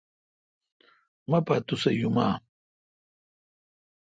مہ پا توسہ یوماؘ۔